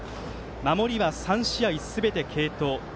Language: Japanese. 守りは３試合すべて継投。